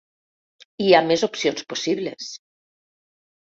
I hi ha més opcions possibles.